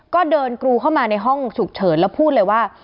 ก็เดินกรูเข้ามาในห้องฉุกเฉินแล้วพูดเลยว่า